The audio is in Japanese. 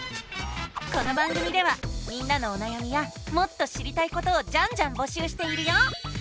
この番組ではみんなのおなやみやもっと知りたいことをジャンジャンぼしゅうしているよ！